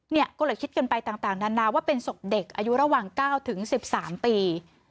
เนี่ยก็เลยคิดกันไปต่างนานาว่าเป็นศพเด็กอายุระหว่าง๙๑๓ปี